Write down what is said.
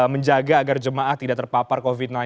menjaga agar jemaah tidak terpapar covid sembilan belas